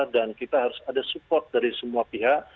dan kita harus ada support dari semua pihak